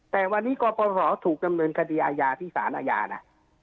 แต่วันนี้กรปศถูกดำเนินคดีอาญาที่สารอาญานะ